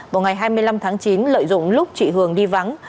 vào ngày hai mươi năm tháng chín lợi dụng lúc chị hường đi vắng